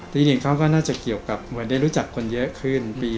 ทีนี้เขาก็น่าจะเกี่ยวกับว่าได้รู้จักคนเยอะขึ้นปี๖๐